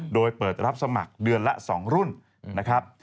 โดยเปิดรับสมัครเดือนละ๒รุ่นนะครับ